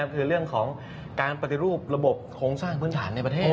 คือเรื่องของการปฏิรูประบบโครงสร้างพื้นฐานในประเทศ